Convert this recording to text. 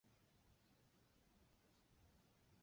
斯谢伯纳尔。